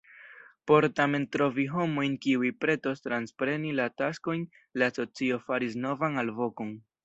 Por tamen trovi homojn kiuj pretos transpreni la taskojn, la asocio faris novan alvokon.